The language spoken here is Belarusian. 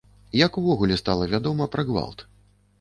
Як увогуле стала вядома пра гвалт?